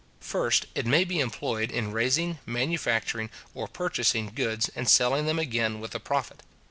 First, it may be employed in raising, manufacturing, or purchasing goods, and selling them again with a profit.